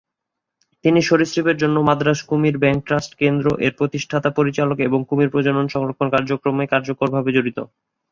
তিনি 'সরীসৃপের জন্য মাদ্রাজ কুমির ব্যাংক ট্রাস্ট কেন্দ্র'-এর প্রতিষ্ঠাতা-পরিচালক, এবং কুমির প্রজনন ও সংরক্ষণ কার্যক্রমে কার্যকরভাবে জড়িত।